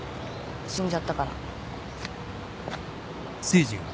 死んじゃったから。